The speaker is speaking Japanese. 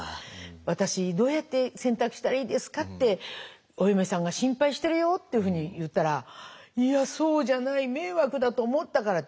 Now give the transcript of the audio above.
私どうやって洗濯したらいいですか？』ってお嫁さんが心配してるよ」っていうふうに言ったら「いやそうじゃない。迷惑だと思ったから」